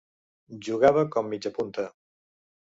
Jugava com mitjapunta.